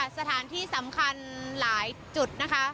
สถานที่สำคัญหลายจุดนะคะ